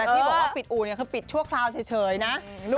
แต่ที่บอกว่าปิดอู่คือปิดชั่วคราวเฉยนะ